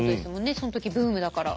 その時ブームだから。